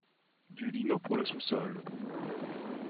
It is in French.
du lino pour le sous-sol